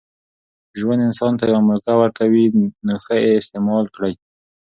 ژوند انسان ته یوه موکه ورکوي، نوښه ئې استعیمال کړئ!